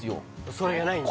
それがないんだ